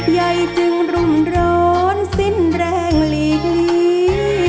ใยจึงรุมโรนสิ้นแรงหลีกลี